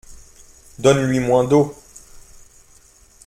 Donne-lui moins d’eau.